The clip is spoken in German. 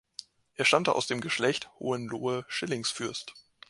Er stammte aus dem Geschlecht Hohenlohe-Schillingsfürst.